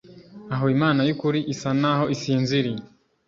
Aho Imana yukuri isa naho isinziriye